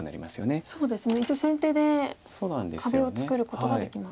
そうですね一応先手で壁を作ることができます。